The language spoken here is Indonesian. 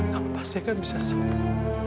kamu pasti akan bisa sembuh